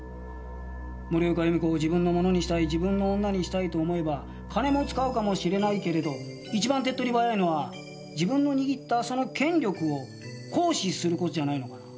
森岡弓子を自分のものにしたい自分の女にしたいと思えば金も使うかもしれないけれど一番手っ取り早いのは自分の握ったその権力を行使する事じゃないのかな。